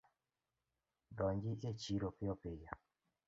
Donji e chiro piyo piyo